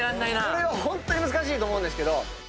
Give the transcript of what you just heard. これは難しいと思うんですけど。